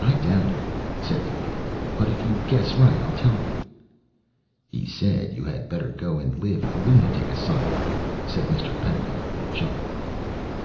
"I doubt it," said the Idiot; "but if you guess right, I'll tell you." "He said you had better go and live in a lunatic asylum," said Mr. Pedagog, with a chuckle.